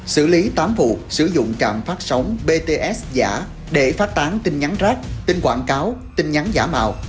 xử lý tám vụ sử dụng trạm phát sóng bts giả để phát tán tin nhắn rác tin quảng cáo tin nhắn giả mạo